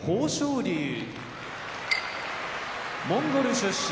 龍モンゴル出身